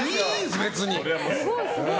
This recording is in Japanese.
別に！